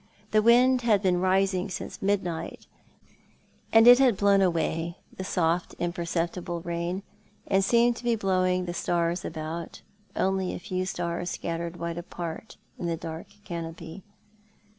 The wind had been rising since midnight, and it had blown away the soft imperceptible rain, and seemed to be blowing the stars about— only a few stars scattered wide apart in the dark canopy.